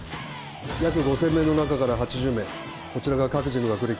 約５０００名の中から８０名こちらが各自の学歴